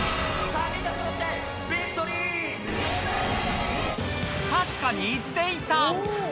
さあ、確かに言っていた。